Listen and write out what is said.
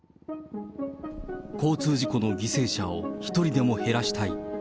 交通事故の犠牲者を一人でも減らしたい。